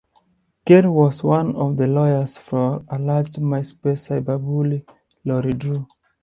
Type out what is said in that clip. Kerr was one of the lawyers for alleged MySpace "cyberbully" Lori Drew.